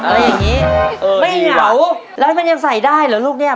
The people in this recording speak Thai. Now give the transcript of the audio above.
อะไรอย่างนี้ไม่เหงาแล้วมันยังใส่ได้เหรอลูกเนี่ย